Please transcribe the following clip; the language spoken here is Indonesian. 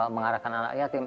mengarahkan anak yatim